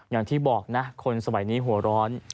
อย่างที่บอกนะคนสมัยนี้หัวร้อน